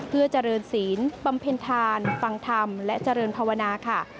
เพื่อเจริญศีลบำเพ็ญทานฟังธรรมและเจริญภาวนาค่ะ